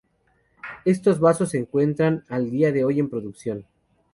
Estos vasos se encuentran al día de hoy en producción.